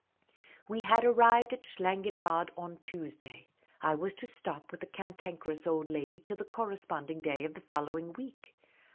We had arrived at Schlangenbad on Tuesday. I was to stop with the Cantankerous Old Lady till the corresponding day of the following week.